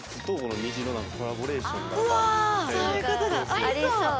ありそう。